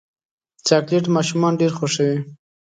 چاکلېټ ماشومان ډېر خوښوي.